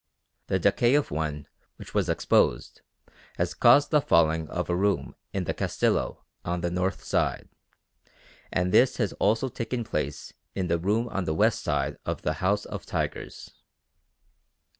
The decay of one which was exposed has caused the falling of a room in the Castillo on the north side; and this has also taken place in the room on the west side of the House of Tigers.